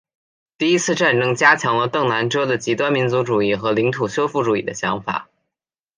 第一次战争加强了邓南遮的极端民族主义和领土收复主义的想法。